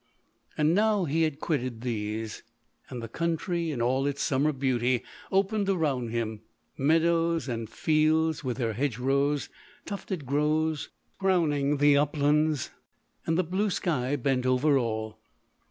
And now he had quitted these ; and the country, in all its summer beauty, opened around him — meadows and fields with their hedge rows, tufted groves crowning the up lands, and " the blue sky bent over all."